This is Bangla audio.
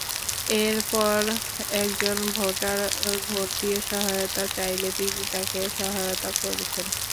এরপর একজন ভোটার ভোট দিতে সহায়তা চাইলে তিনি তাঁকে সহায়তা করেছেন।